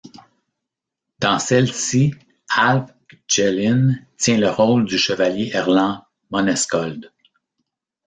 Dans celle-ci, Alf Kjellin tient le rôle du chevalier Erland Monesköld.